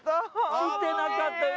来てなかったよ